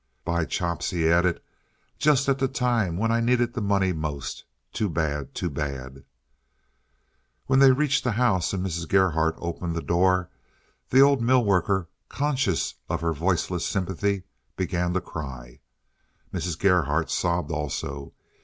"By chops!" he added, "just at the time when I needed the money most. Too bad! Too bad!" When they reached the house, and Mrs. Gerhardt opened the door, the old mill worker, conscious of her voiceless sympathy, began to cry. Mrs. Gerhardt sobbed also.